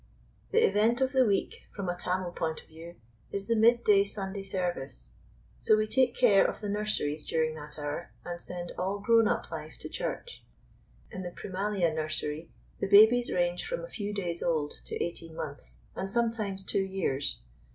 ] THE event of the week, from a Tamil point of view, is the midday Sunday service; so we take care of the nurseries during that hour, and send all grown up life to church. In the Prémalia nursery the babies range from a few days old to eighteen months, and sometimes two years.